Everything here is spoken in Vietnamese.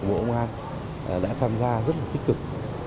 các cơ quan liên quan của bộ công an đã tham gia rất là tích cực